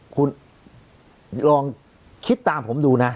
คุณลองคิดตามผมดูนะ